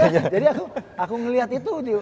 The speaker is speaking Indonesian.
jadi aku ngelihat itu